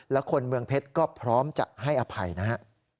และคนเมืองเพชรก็พร้อมจะให้อภัยนะฮะ